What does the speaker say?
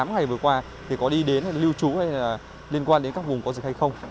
hai mươi tám ngày vừa qua thì có đi đến lưu trú hay liên quan đến các vùng có dịch hay không